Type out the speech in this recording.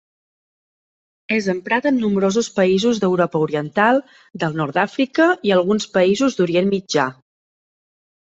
És emprat en nombrosos països d'Europa oriental, del nord d'Àfrica i alguns països d'Orient Mitjà.